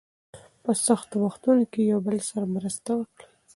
په سختو وختونو کې یو بل سره مرسته وکړئ.